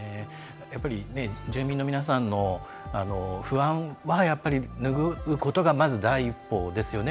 やっぱり、住民の皆さんの不安を拭うことがまず第一歩ですよね。